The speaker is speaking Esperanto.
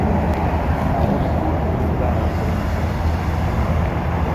Aŭskultu, kara princo!